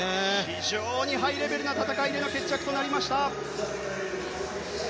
非常にハイレベルな戦いでの決着となりました。